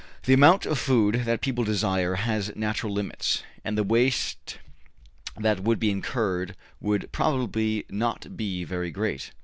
The amount of food that people desire has natural limits, and the waste that would be incurred would probably not be very great.